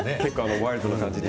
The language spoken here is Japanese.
ワイルドな感じで。